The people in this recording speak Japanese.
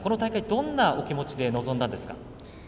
どんな気持ちで臨んだんですか？